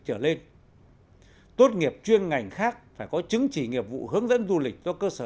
trở lên tốt nghiệp chuyên ngành khác phải có chứng chỉ nghiệp vụ hướng dẫn du lịch cho cơ sở